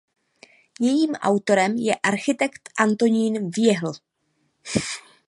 Jejím autorem je architekt Antonín Wiehl.